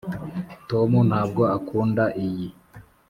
tom ntabwo akunda iyi.